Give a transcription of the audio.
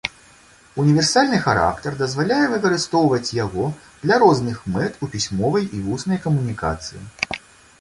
Універсальны характар дазваляе выкарыстоўваць яго для розных мэт у пісьмовай і вуснай камунікацыі.